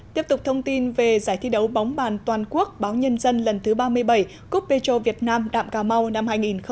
tiếp tục thông tin về giải thi đấu bóng bàn toàn quốc báo nhân dân lần thứ ba mươi bảy cup petro việt nam đạm cà mau năm hai nghìn một mươi chín